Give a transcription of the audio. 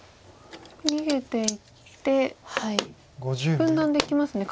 逃げていって分断できますね。